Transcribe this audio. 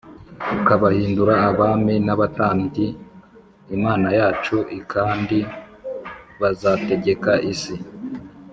ukabahindura abami n abatambyi Imana yacu i kandi bazategeka isi